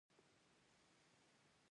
دا دښتې د ټولنې لپاره بنسټیزې دي.